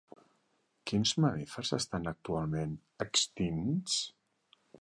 Quins mamífers estan actualment extints?